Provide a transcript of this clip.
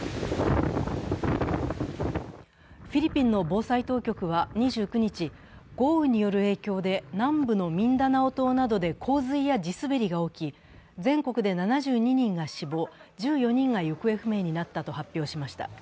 フィリピンの防災当局は２９日、豪雨による影響で南部のミンダナオ島などで洪水や地滑りが起き、全国で７２人が死亡、１４人が行方不明になったと発表しました。